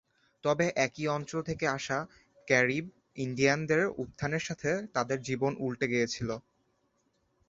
তবে একই অঞ্চল থেকে আসা ক্যারিব ইন্ডিয়ানদের উত্থানের সাথে তাদের জীবন উল্টে গিয়েছিল।